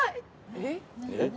えっ？